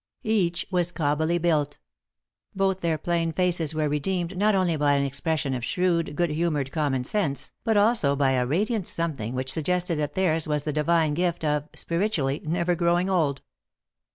Each was cob bily built. Both their plain faces were redeemed, not only by an expression of shrewd, good humoured, common sense, but also by a radiant something which suggested that theirs was the divine gift of, spiritually, never growing old.